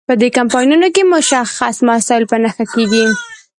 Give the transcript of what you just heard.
په دې کمپاینونو کې مشخص مسایل په نښه کیږي.